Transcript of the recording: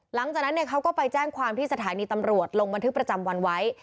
หลังจากนั้นเขาก็ไปแจ้งความที่สถานีตำรวจลงบันทึกประจำวันไว้